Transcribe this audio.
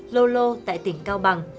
lô lô tại tỉnh cao bằng